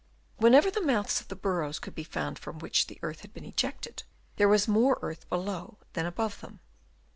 Whenever the mouths of the burrows could be found from which the earth had been ejected, there was more earth below than above them.